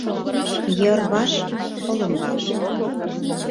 Йырваш олымбал.